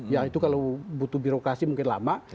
yaitu kalau butuh birokrasi mungkin lama